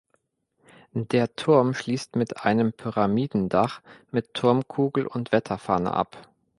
Der Turm schließt mit einem Pyramidendach mit Turmkugel und Wetterfahne ab.